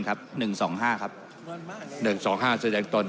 แสดงตน